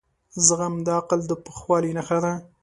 زغم د عقل د پخوالي نښه ده.